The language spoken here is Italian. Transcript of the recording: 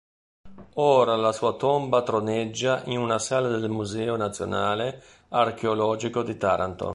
Ora la sua tomba troneggia in una sala del Museo nazionale archeologico di Taranto.